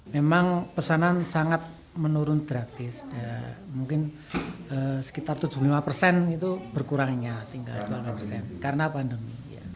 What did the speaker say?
memang pesanan sangat menurun drastis mungkin sekitar tujuh puluh lima persen itu berkurangnya tinggal dua puluh persen karena pandemi